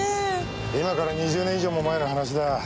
今から２０年以上も前の話だ